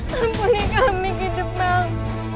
tampulih kami hidup bang